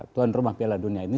tuan rumah piala dunia ini